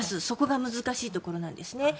そこが難しいところなんですね。